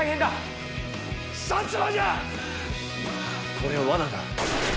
これは罠だ。